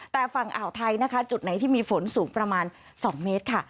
แต่ฝั่งอ่าวไทยนะคะจุดไหนที่มีฝนสูงประมาณ๒เมตรค่ะ